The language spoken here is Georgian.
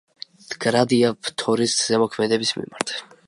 მდგრადია ფთორის ზემოქმედების მიმართ.